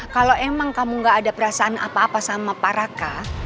kalau emang kamu gak ada perasaan apa apa sama paraka